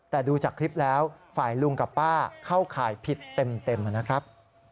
แต่ดูจากคลิปแล้วฝ่ายลุงกับป้าเข้าข่ายผิดเต็มนะครับ